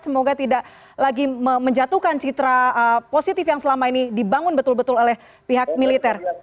semoga tidak lagi menjatuhkan citra positif yang selama ini dibangun betul betul oleh pihak militer